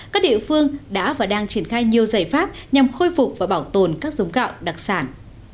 các địa phương đã và đang triển khai nhiều giải pháp nhằm khôi phục và bảo tồn các giống gạo đặc sản